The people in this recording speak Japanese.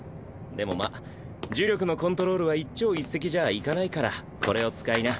でもまっ呪力のコントロールは一朝一夕じゃいかないからこれを使いな。